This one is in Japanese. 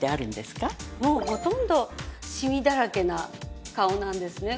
もうほとんどシミだらけな顔なんですね。